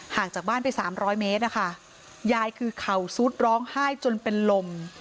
ห่างจากบ้านไป๓๐๐เมตรนะคะยายคือเข่าซุดร้องไห้จนเป็นลม